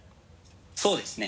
そうですね。